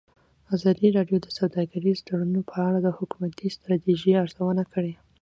ازادي راډیو د سوداګریز تړونونه په اړه د حکومتي ستراتیژۍ ارزونه کړې.